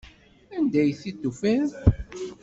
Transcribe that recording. Anda ay t-id-tufiḍ?